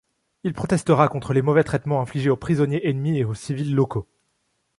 Il protestera contre les mauvais traitements infligés aux prisonniers ennemis et aux civils locaux.